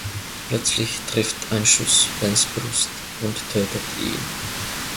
Plötzlich trifft ein Schuss Bens Brust und tötet ihn.